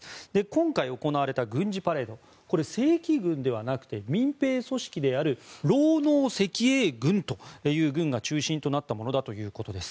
今回行われた軍事パレード正規軍ではなくて民兵組織である労農赤衛軍という軍が中心となったものだということです。